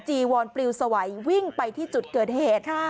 จีวอนปลิวสวัยวิ่งไปที่จุดเกิดเหตุ